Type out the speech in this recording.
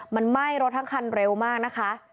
มันไหม้รถทั้งคันเร็วมากนะคะ